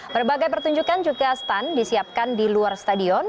berbagai pertunjukan juga stun disiapkan di luar stadion